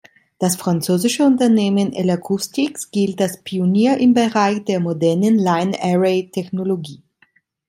Das französische Unternehmen L-Acoustics gilt als Pionier im Bereich der modernen Line-Array-Technologie.